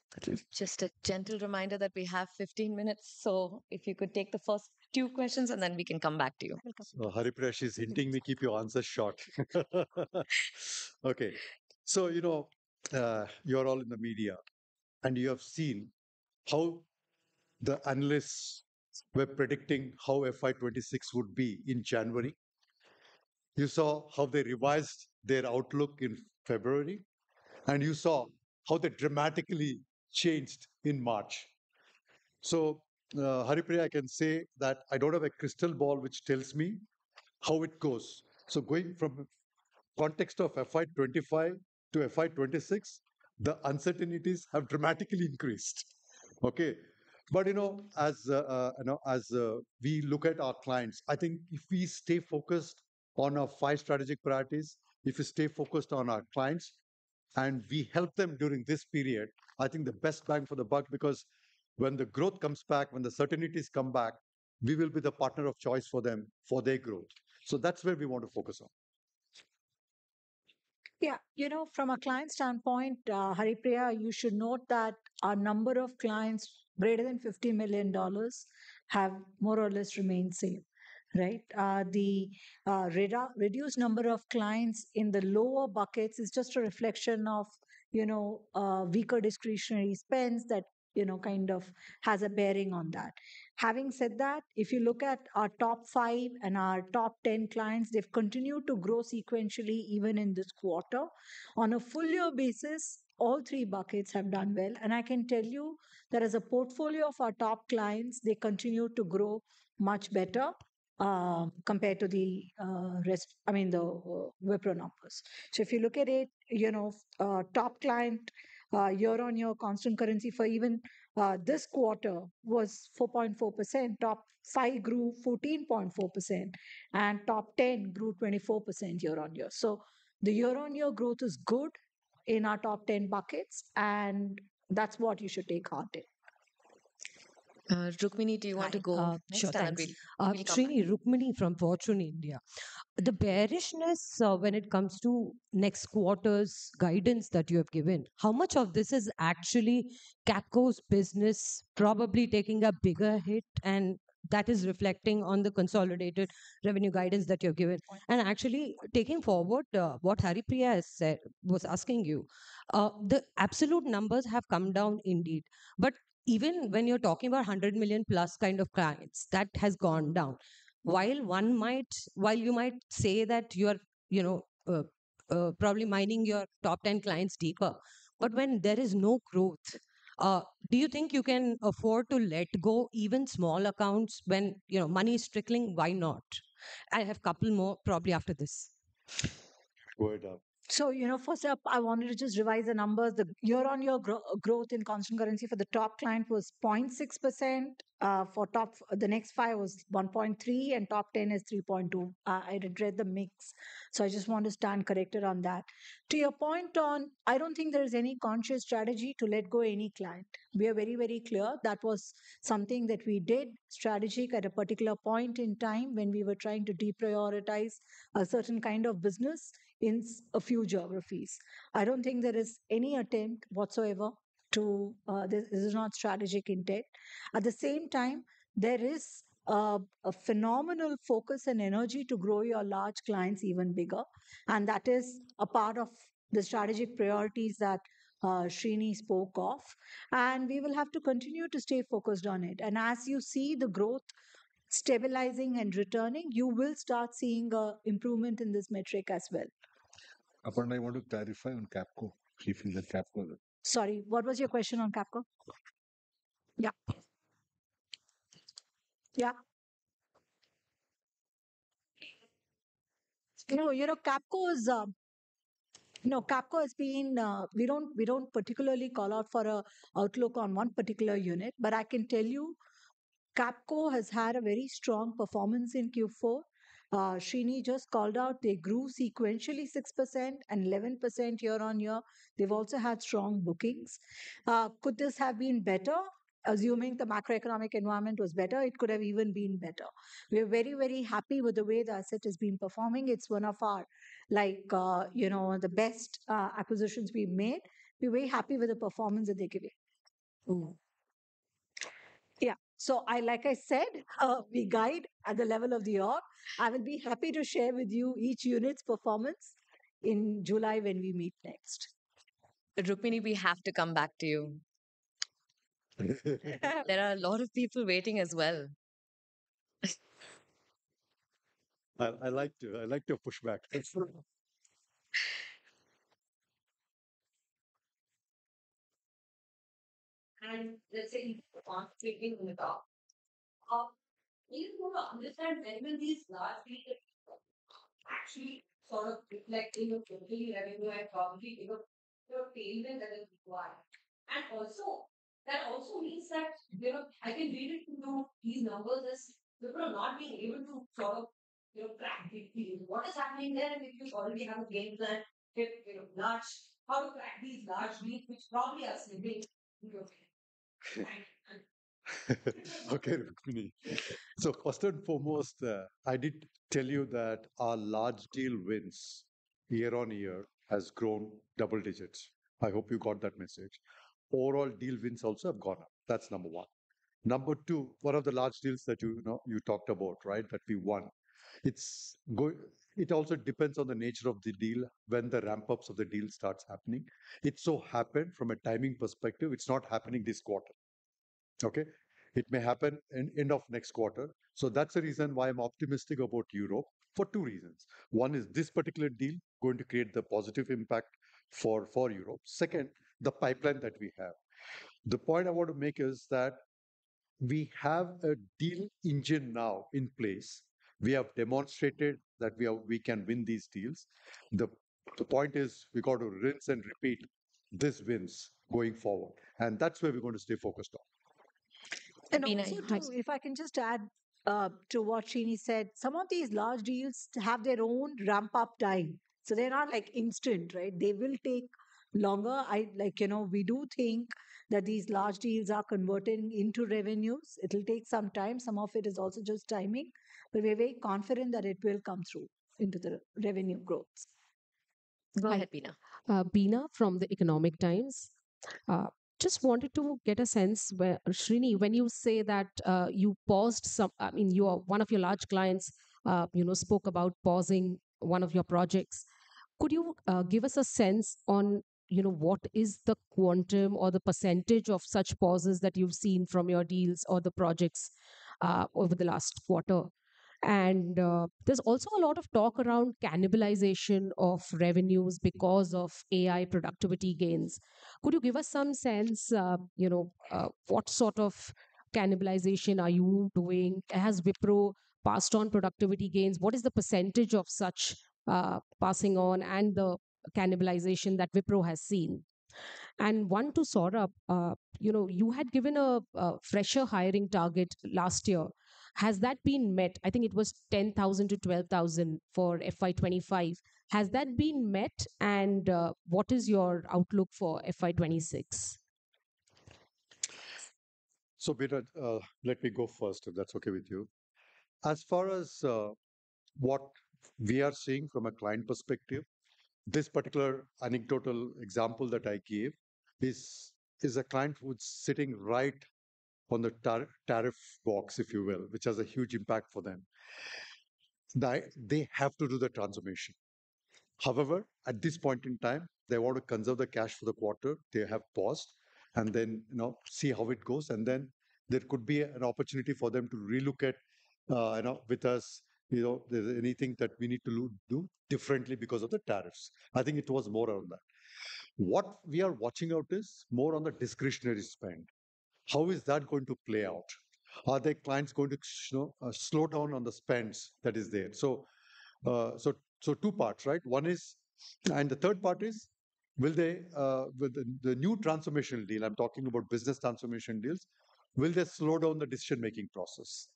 A: Just a gentle reminder that we have 15 minutes. If you could take the first two questions and then we can come back to you.
B: Haripriya is hinting me, keep your answers short. Okay. You know, you're all in the media. You have seen how the analysts were predicting how FY2026 would be in January. You saw how they revised their outlook in February. You saw how they dramatically changed in March. Haripriya, I can say that I don't have a crystal ball which tells me how it goes. Going from the context of FY2025 to FY2026, the uncertainties have dramatically increased. Okay. As you know, as we look at our clients, I think if we stay focused on our five strategic priorities, if we stay focused on our clients and we help them during this period, I think the best bang for the buck because when the growth comes back, when the certainties come back, we will be the partner of choice for them for their growth. That is where we want to focus on.
C: Yeah, you know, from a client standpoint, Haripriya, you should note that our number of clients greater than $50 million have more or less remained the same, right? The reduced number of clients in the lower buckets is just a reflection of, you know, weaker discretionary spends that, you know, kind of has a bearing on that. Having said that, if you look at our top five and our top ten clients, they've continued to grow sequentially even in this quarter. On a full year basis, all three buckets have done well. I can tell you that as a portfolio of our top clients, they continue to grow much better compared to the, I mean, the Wipro numbers. If you look at it, you know, top client year-on-year constant currency for even this quarter was 4.4%. Top five grew 14.4%. Top ten grew 24% year-on-year. The year-on-year growth is good in our top ten buckets. That's what you should take heart in.
A: Rukmini, do you want to go?
J: Sure, I agree. Srini, Rukmini from Fortune India. The bearishness when it comes to next quarter's guidance that you have given, how much of this is actually Capco's business probably taking a bigger hit? That is reflecting on the consolidated revenue guidance that you have given. Actually, taking forward what Haripriya was asking you, the absolute numbers have come down indeed. Even when you're talking about $100 million plus kind of clients, that has gone down. While you might say that you are, you know, probably mining your top ten clients deeper, when there is no growth, do you think you can afford to let go even small accounts when, you know, money is trickling? Why not? I have a couple more probably after this.
C: First up, I wanted to just revise the numbers. The year-on-year growth in constant currency for the top client was 0.6%. For top, the next five was 1.3% and top ten is 3.2%. I did not read the mix. I just want to stand corrected on that. To your point on, I do not think there is any conscious strategy to let go any client. We are very, very clear. That was something that we did strategic at a particular point in time when we were trying to deprioritize a certain kind of business in a few geographies. I do not think there is any attempt whatsoever to, this is not strategic intent. At the same time, there is a phenomenal focus and energy to grow your large clients even bigger. That is a part of the strategic priorities that Srini spoke of. We will have to continue to stay focused on it. As you see the growth stabilizing and returning, you will start seeing an improvement in this metric as well.
B: Aparna, I want to clarify on Capco. If you can Capco.
C: Sorry, what was your question on Capco? Yeah. Yeah. You know, Capco is, you know, Capco has been, we do not particularly call out for an outlook on one particular unit, but I can tell you Capco has had a very strong performance in Q4. Srini just called out they grew sequentially 6% and 11% year-on-year. They have also had strong bookings. Could this have been better? Assuming the macroeconomic environment was better, it could have even been better. We are very, very happy with the way the asset has been performing. It is one of our, like, you know, the best acquisitions we have made. We are very happy with the performance that they are giving. Yeah. Like I said, we guide at the level of the org. I will be happy to share with you each unit's performance in July when we meet next.
A: Rukmini, we have to come back to you. There are a lot of people waiting as well.
B: I like to, I like to push back.
J: Let's say you are speaking in the top. You need to understand when will these large pieces actually sort of reflect in your total revenue and probably in your payment that is required. That also means that, you know, I can read it to you, these numbers as people are not being able to sort of, you know, crack deeply. What is happening there if you already have a game plan, if you know, large, how to crack these large deals which probably are slipping in your game.
B: Okay, Rukmini. First and foremost, I did tell you that our large deal wins year-on-year has grown double digits. I hope you got that message. Overall deal wins also have gone up. That's number one. Number two, one of the large deals that you know, you talked about, right, that we won. It's going, it also depends on the nature of the deal when the ramp-ups of the deal start happening. It so happened from a timing perspective, it's not happening this quarter. Okay? It may happen end of next quarter. That's the reason why I'm optimistic about Europe for two reasons. One is this particular deal going to create the positive impact for Europe. Second, the pipeline that we have. The point I want to make is that we have a deal engine now in place. We have demonstrated that we can win these deals. The point is we got to rinse and repeat this wins going forward. That's where we're going to stay focused on.
C: If I can just add to what Srini said, some of these large deals have their own ramp-up time. They are not like instant, right? They will take longer. I like, you know, we do think that these large deals are converting into revenues. It will take some time. Some of it is also just timing. We are very confident that it will come through into the revenue growth.
A: Go ahead, Beena.
K: Beena from The Economic Times. Just wanted to get a sense where, Srini, when you say that you paused some, I mean, one of your large clients, you know, spoke about pausing one of your projects. Could you give us a sense on, you know, what is the quantum or the percentage of such pauses that you have seen from your deals or the projects over the last quarter? There is also a lot of talk around cannibalization of revenues because of AI productivity gains. Could you give us some sense, you know, what sort of cannibalization are you doing? Has Wipro passed on productivity gains? What is the percentage of such passing on and the cannibalization that Wipro has seen? One to sort up, you know, you had given a fresher hiring target last year. Has that been met? I think it was 10,000-12,000 for FY2025. Has that been met? What is your outlook for FY2026?
B: Beena, let me go first if that's okay with you. As far as what we are seeing from a client perspective, this particular anecdotal example that I gave is a client who's sitting right on the tariff box, if you will, which has a huge impact for them. They have to do the transformation. However, at this point in time, they want to conserve the cash for the quarter. They have paused and then, you know, see how it goes. Then there could be an opportunity for them to relook at, you know, with us, you know, if there's anything that we need to do differently because of the tariffs. I think it was more on that. What we are watching out is more on the discretionary spend. How is that going to play out? Are the clients going to, you know, slow down on the spends that is there? Two parts, right? One is, and the third part is, will they, with the new transformation deal, I'm talking about business transformation deals, will they slow down the decision-making process?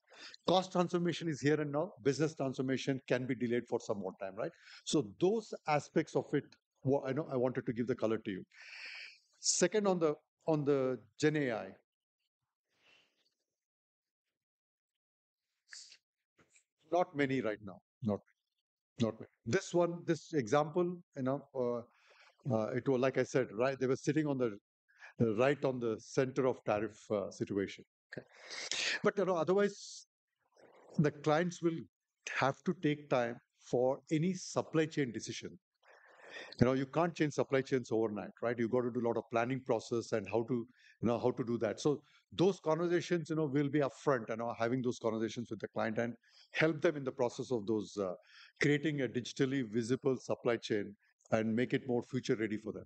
B: Cost transformation is here and now. Business transformation can be delayed for some more time, right? Those aspects of it, I know I wanted to give the color to you. Second, on the GenAI, not many right now.
E: Not many. Not many.
B: This one, this example, you know, it was like I said, right? They were sitting right on the center of tariff situation. Okay. You know, otherwise, the clients will have to take time for any supply chain decision. You know, you can't change supply chains overnight, right? You've got to do a lot of planning process and how to, you know, how to do that. Those conversations, you know, will be upfront, you know, having those conversations with the client and help them in the process of those creating a digitally visible supply chain and make it more future-ready for them.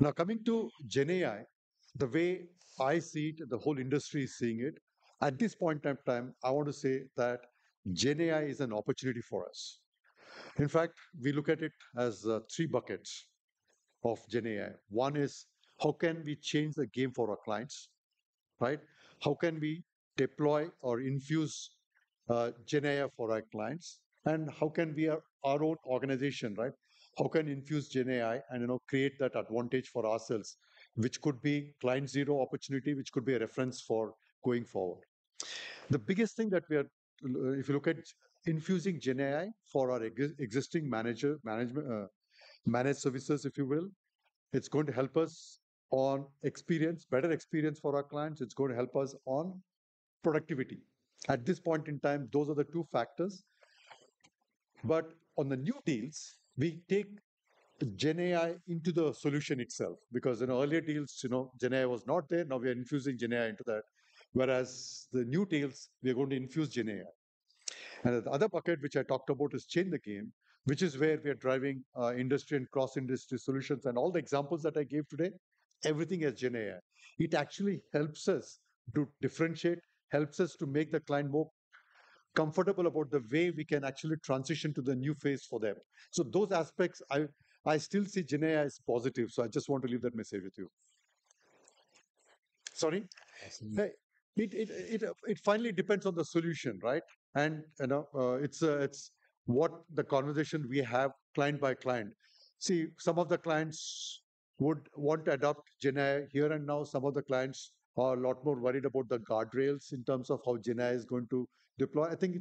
B: Now, coming to GenAI, the way I see it, the whole industry is seeing it, at this point in time, I want to say that GenAI is an opportunity for us. In fact, we look at it as three buckets of GenAI. One is how can we change the game for our clients, right? How can we deploy or infuse GenAI for our clients? And how can we, our own organization, right? How can we infuse GenAI and, you know, create that advantage for ourselves, which could be client zero opportunity, which could be a reference for going forward? The biggest thing that we are, if you look at infusing GenAI for our existing management, managed services, if you will, it's going to help us on experience, better experience for our clients. It's going to help us on productivity. At this point in time, those are the two factors. On the new deals, we take GenAI into the solution itself because in earlier deals, you know, GenAI was not there. Now we are infusing GenAI into that. Whereas the new deals, we are going to infuse GenAI. The other bucket, which I talked about, is change the game, which is where we are driving industry and cross-industry solutions. All the examples that I gave today, everything is GenAI. It actually helps us to differentiate, helps us to make the client more comfortable about the way we can actually transition to the new phase for them. Those aspects, I still see GenAI is positive. I just want to leave that message with you. Sorry. Hey, it finally depends on the solution, right? You know, it is what the conversation we have client by client. See, some of the clients would want to adopt GenAI here and now. Some of the clients are a lot more worried about the guardrails in terms of how GenAI is going to deploy. I think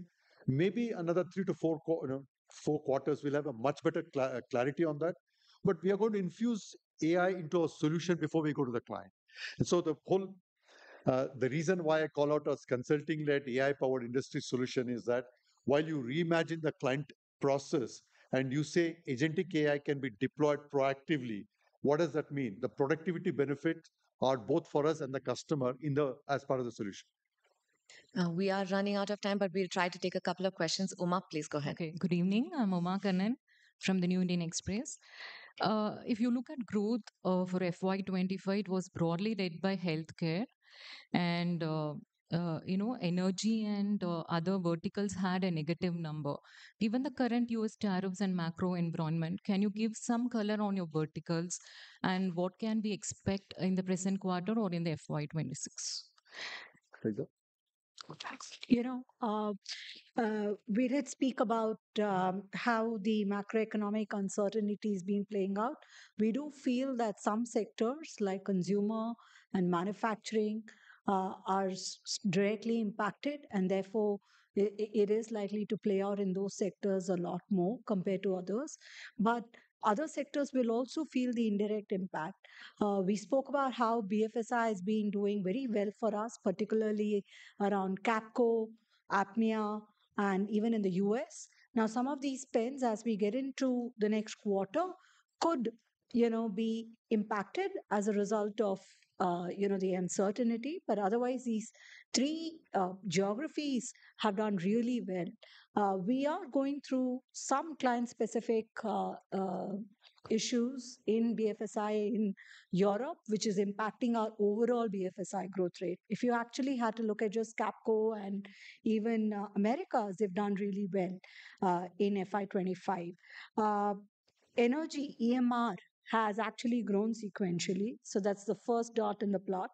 B: maybe another three to four quarters, we'll have a much better clarity on that. We are going to infuse AI into a solution before we go to the client. The whole reason why I call out as consulting-led AI-powered industry solution is that while you reimagine the client process and you say agentic AI can be deployed proactively, what does that mean? The productivity benefits are both for us and the customer as part of the solution.
A: We are running out of time, but we'll try to take a couple of questions. Uma, please go ahead.
L: Okay. Good evening. I'm Uma Kannan from The New Indian Express. If you look at growth for FY25, it was broadly led by healthcare. You know, energy and other verticals had a negative number. Even the current U.S. tariffs and macro environment, can you give some color on your verticals and what can we expect in the present quarter or in the FY26?
C: You know, we did speak about how the macroeconomic uncertainty is being played out. We do feel that some sectors like consumer and manufacturing are directly impacted. Therefore, it is likely to play out in those sectors a lot more compared to others. Other sectors will also feel the indirect impact. We spoke about how BFSI has been doing very well for us, particularly around Capco, APMEA, and even in the U.S. Now, some of these spends, as we get into the next quarter, could, you know, be impacted as a result of, you know, the uncertainty. Otherwise, these three geographies have done really well. We are going through some client-specific issues in BFSI in Europe, which is impacting our overall BFSI growth rate. If you actually had to look at just Capco and even Americas, they've done really well in FY2025. Energy EMR has actually grown sequentially. That is the first dot in the plot.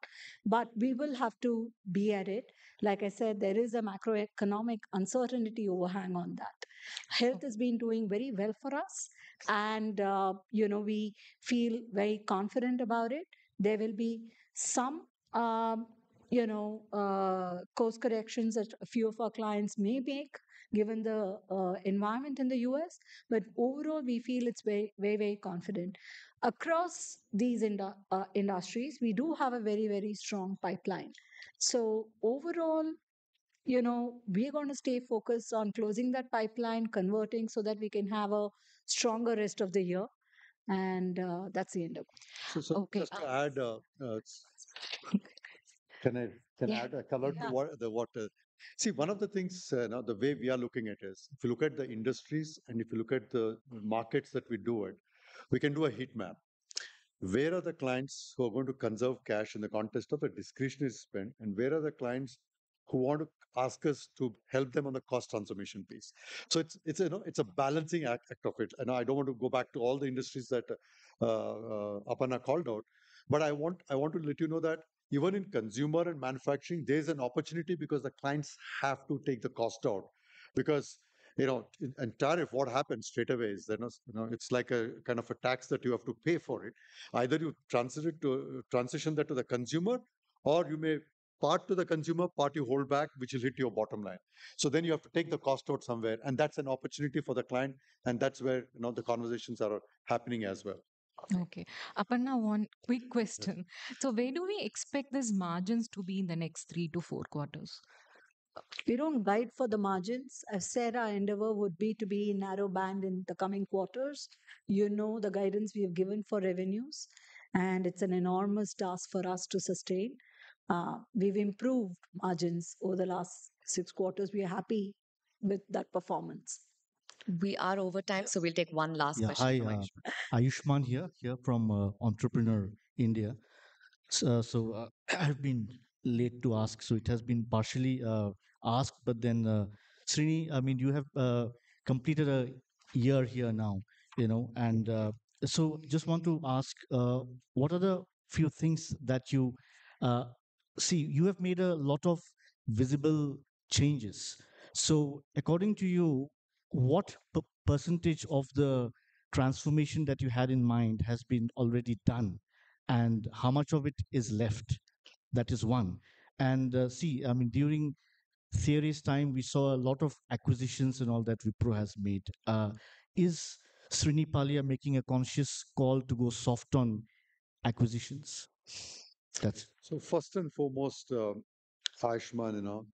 C: We will have to be at it. Like I said, there is a macroeconomic uncertainty overhang on that. Health has been doing very well for us. You know, we feel very confident about it. There will be some, you know, course corrections that a few of our clients may make given the environment in the U.S. Overall, we feel it's very, very, very confident. Across these industries, we do have a very, very strong pipeline. Overall, you know, we are going to stay focused on closing that pipeline, converting so that we can have a stronger rest of the year. That's the end of it.
B: Just to add, can I add a color to what? See, one of the things, you know, the way we are looking at it is if you look at the industries and if you look at the markets that we do it, we can do a heat map. Where are the clients who are going to conserve cash in the context of a discretionary spend? Where are the clients who want to ask us to help them on the cost transformation piece? It's a, you know, it's a balancing act of it. I do not want to go back to all the industries that Aparna called out. I want to let you know that even in consumer and manufacturing, there is an opportunity because the clients have to take the cost out. You know, in tariff, what happens straight away is, you know, it is like a kind of a tax that you have to pay for it. Either you transition that to the consumer, or you may part to the consumer, part you hold back, which will hit your bottom line. You have to take the cost out somewhere. That is an opportunity for the client. That is where, you know, the conversations are happening as well.
L: Okay. Aparna, one quick question. Where do we expect these margins to be in the next three to four quarters?
C: We do not guide for the margins. A fairer endeavor would be to be in narrow band in the coming quarters. You know, the guidance we have given for revenues. And it's an enormous task for us to sustain. We've improved margins over the last six quarters. We are happy with that performance.
A: We are over time. We'll take one last question.
M: Yeah, I am Ayushman here from Entrepreneur India. I have been late to ask. It has been partially asked. Srini, I mean, you have completed a year here now, you know. I just want to ask, what are the few things that you see? You have made a lot of visible changes. According to you, what percentage of the transformation that you had in mind has been already done? How much of it is left? That is one. See, I mean, during Thierry's time, we saw a lot of acquisitions and all that Wipro has made. Is Srini Pallia making a conscious call to go soft on acquisitions?
B: First and foremost, Ayush Man, you know,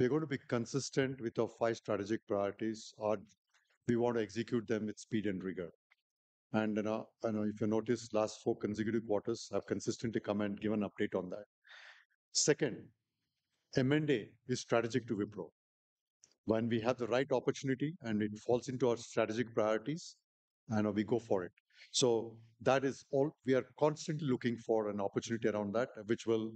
B: we're going to be consistent with our five strategic priorities. We want to execute them with speed and rigor. You know, if you notice, the last four consecutive quarters, I've consistently come and given an update on that. Second, M&A is strategic to Wipro. When we have the right opportunity and it falls into our strategic priorities, you know, we go for it. That is all. We are constantly looking for an opportunity around that, which will,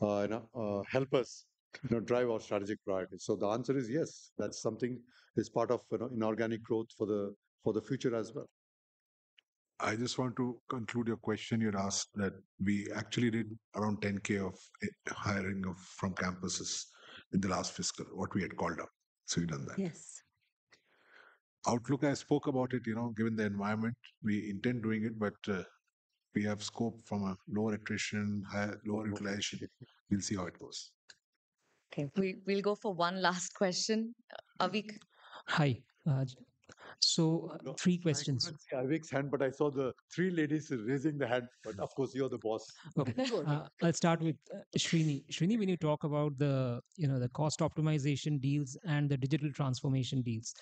B: you know, help us, you know, drive our strategic priorities. The answer is yes. That's something that is part of, you know, inorganic growth for the future as well.
E: I just want to conclude your question. You'd asked that we actually did around 10,000 of hiring from campuses in the last fiscal, what we had called out. You have done that.
C: Yes.
E: Outlook, I spoke about it, you know, given the environment. We intend doing it, but we have scope from a lower attrition, higher lower utilization. We'll see how it goes.
A: Okay. We'll go for one last question. Avik.
N: Hi. Three questions.
B: Avik's hand, but I saw the three ladies raising the hand. Of course, you're the boss. Okay. Sure.
N: Let's start with Srini. Srini, when you talk about the, you know, the cost optimization deals and the digital transformation deals,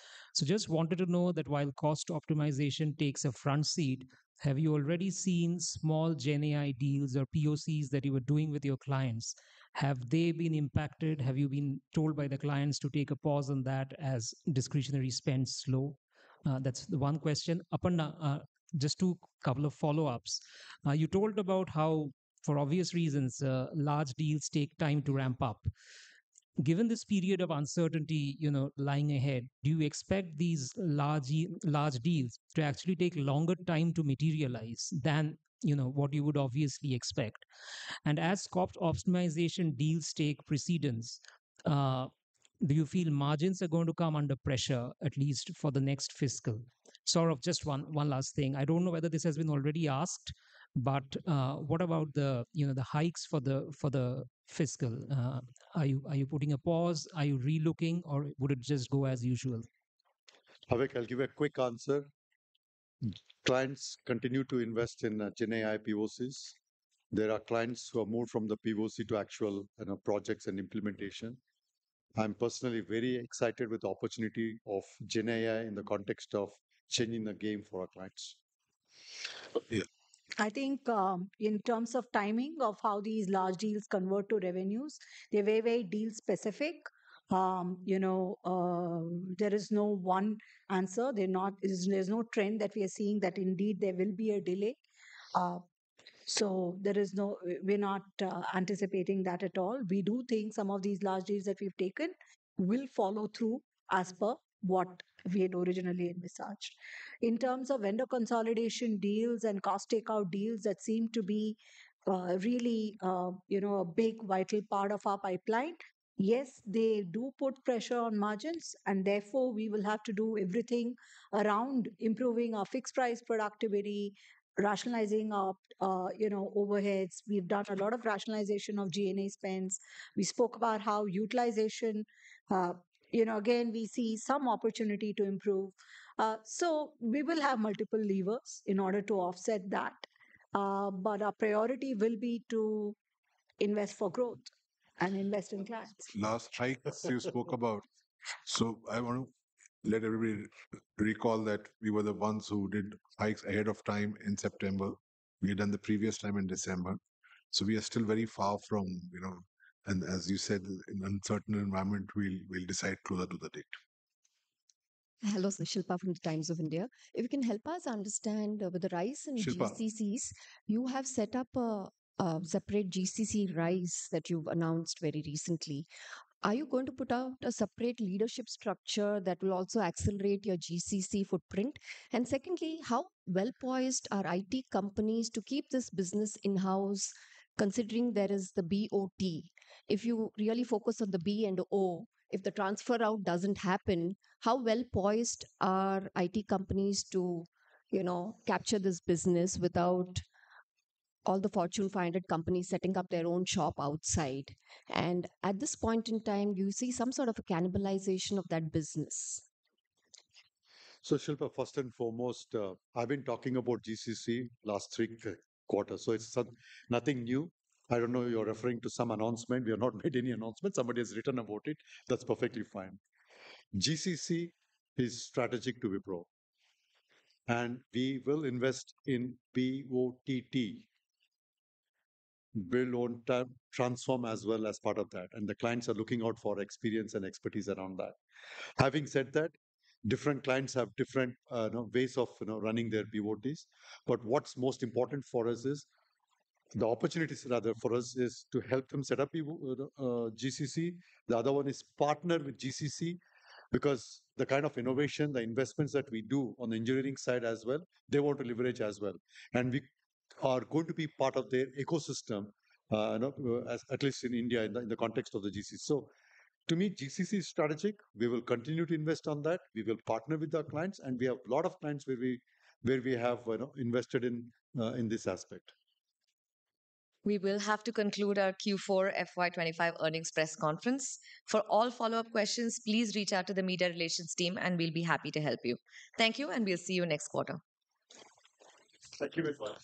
N: just wanted to know that while cost optimization takes a front seat, have you already seen small GenAI deals or POCs that you were doing with your clients? Have they been impacted? Have you been told by the clients to take a pause on that as discretionary spend slow? That's the one question. Aparna, just two couple of follow-ups. You told about how, for obvious reasons, large deals take time to ramp up. Given this period of uncertainty, you know, lying ahead, do you expect these large deals to actually take longer time to materialize than, you know, what you would obviously expect? As cost optimization deals take precedence, do you feel margins are going to come under pressure, at least for the next fiscal? Sorry, just one last thing. I don't know whether this has been already asked, but what about the, you know, the hikes for the fiscal? Are you putting a pause? Are you relooking? Or would it just go as usual?
B: Avik, I'll give you a quick answer. Clients continue to invest in GenAI POCs. There are clients who are moved from the POC to actual projects and implementation. I'm personally very excited with the opportunity of GenAI in the context of changing the game for our clients.
C: I think in terms of timing of how these large deals convert to revenues, they're very, very deal-specific. You know, there is no one answer. There's no trend that we are seeing that indeed there will be a delay. We are not anticipating that at all. We do think some of these large deals that we've taken will follow through as per what we had originally in message. In terms of vendor consolidation deals and cost takeout deals that seem to be really, you know, a big vital part of our pipeline, yes, they do put pressure on margins. Therefore, we will have to do everything around improving our fixed price productivity, rationalizing our, you know, overheads. We have done a lot of rationalization of G&A spends. We spoke about how utilization, you know, again, we see some opportunity to improve. We will have multiple levers in order to offset that. Our priority will be to invest for growth and invest in clients.
E: Last hikes you spoke about. I want to let everybody recall that we were the ones who did hikes ahead of time in September. We had done the previous time in December. We are still very far from, you know, and as you said, in an uncertain environment, we will decide closer to the date.
O: Hello, Shilpa from The Times of India. If you can help us understand with the rise in GCCs, you have set up a separate GCC rise that you've announced very recently. Are you going to put out a separate leadership structure that will also accelerate your GCC footprint? Secondly, how well poised are IT companies to keep this business in-house, considering there is the BOT? If you really focus on the B and O, if the transfer out doesn't happen, how well poised are IT companies to, you know, capture this business without all the Fortune 500 companies setting up their own shop outside? At this point in time, do you see some sort of a cannibalization of that business?
B: Shilpa, first and foremost, I've been talking about GCC last three quarters. It's nothing new. I don't know if you're referring to some announcement. We have not made any announcement. Somebody has written about it. That's perfectly fine. GCC is strategic to Wipro. We will invest in BOTT, Build-On-Term, Transform as well as part of that. The clients are looking out for experience and expertise around that. Having said that, different clients have different ways of running their BOTs. What's most important for us is the opportunity for us to help them set up GCC. The other one is partner with GCC because the kind of innovation, the investments that we do on the engineering side as well, they want to leverage as well. We are going to be part of their ecosystem, at least in India, in the context of the GCC. To me, GCC is strategic. We will continue to invest on that. We will partner with our clients. We have a lot of clients where we have invested in this aspect.
A: We will have to conclude our Q4 FY25 earnings press conference. For all follow-up questions, please reach out to the media relations team, and we'll be happy to help you. Thank you, and we'll see you next quarter.
P: Thank you, Wipro.